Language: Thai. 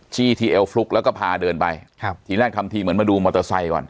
ที่ที่เอวฟลุ๊กแล้วก็พาเดินไปครับทีแรกทำทีเหมือนมาดูมอเตอร์ไซค์ก่อน